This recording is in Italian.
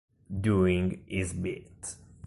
Doing His Bit